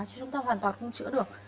chứ chúng ta hoàn toàn không chữa được